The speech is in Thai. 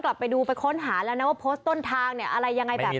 กลับไปดูไปค้นหาแล้วนะว่าโพสต์ต้นทางเนี่ยอะไรยังไงแบบไหน